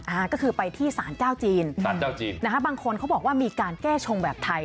อ่าก็คือไปที่สารเจ้าจีนสารเจ้าจีนนะฮะบางคนเขาบอกว่ามีการแก้ชงแบบไทย